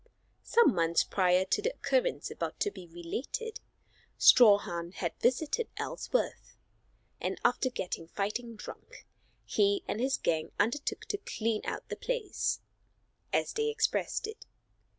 Some months previous to the occurrence about to be related, Strawhan had visited Ellsworth, and after getting fighting drunk, he and his gang undertook to "clean out the place," as they expressed it.